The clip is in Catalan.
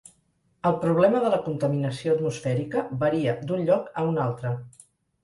El problema de la contaminació atmosfèrica varia d'un lloc a un altre.